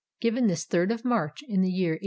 "Given this 3rd of March, in the year 1827.